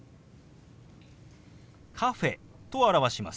「カフェ」と表します。